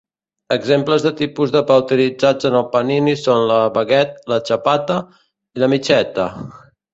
Exemples de tipus de pa utilitzats en el panini són la baguet, la xapata i la michetta.